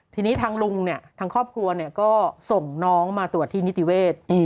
ทีนี้ทางลุงเนี่ยทางครอบครัวก็ส่งน้องมาตรวจที่นิติเวศ